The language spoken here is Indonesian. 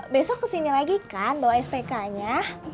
besok kesini lagi kan bawa spknya